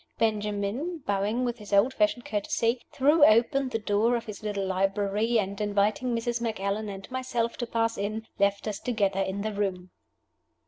Benjamin, bowing with his old fashioned courtesy, threw open the door of his little library, and, inviting Mrs. Macallan and myself to pass in, left us together in the room.